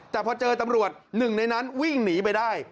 แต่พอเจอตำรวจหนึ่งในนั้นวิ่งหนีไปได้